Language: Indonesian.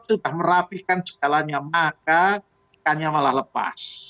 sudah merapihkan segalanya maka ikannya malah lepas